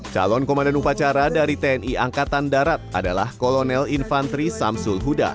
calon komandan upacara dari tni angkatan darat adalah kolonel infantri samsul huda